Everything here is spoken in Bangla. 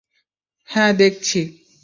হ্যাঁ, দেখছি।